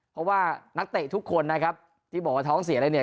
เพราะว่านักเตะทุกคนนะครับที่บอกว่าท้องเสียอะไรเนี่ย